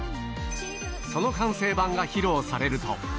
その完成版が披露されると。